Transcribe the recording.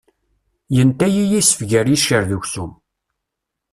Yenta-iyi yisef gar yiccer d uksum.